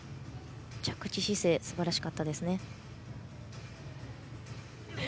着地姿勢、すばらしかったです。